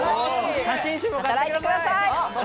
写真集も買ってください。